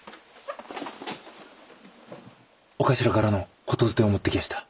お頭からの言づてを持ってきやした。